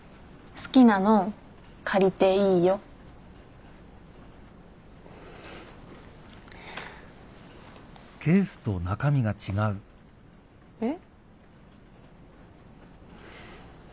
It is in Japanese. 好きなの借りていいよ。えっ？